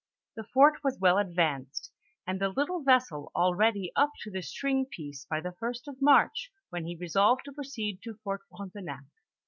The fort was well advanced, and the little ves sel already up to the string piece by the first of March, when he resolved to proceed to Fort Frontenac.